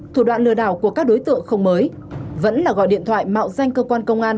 thủ đoạn lừa đảo của các đối tượng không mới vẫn là gọi điện thoại mạo danh cơ quan công an